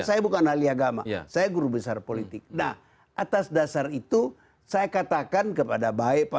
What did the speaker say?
saya bukan ahli agama saya guru besar politik nah atas dasar itu saya katakan kepada baik pak